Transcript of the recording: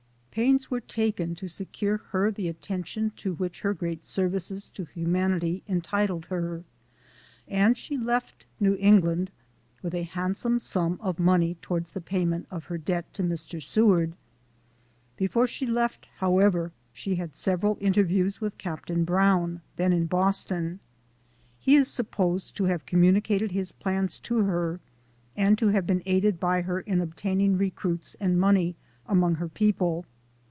" Pains were taken to secure her the attention to which her great services to humanity entitled her, and she left New England with a handsome sum of money towards the payment of her debt to Mr. Seward. Before she left, however, she had several interviews with Captain Brown, then in Boston. SOME SCENES IN THE He is supposed to have communicated his plans to her, and to have been aided by her in obtaining re cruits and money among her people.